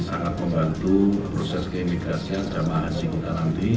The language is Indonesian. sangat membantu proses keimigrasian jamaah haji kita nanti